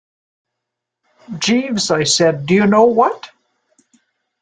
"Jeeves," I said, "do you know what?"